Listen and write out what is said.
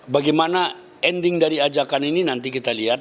bagaimana ending dari ajakan ini nanti kita lihat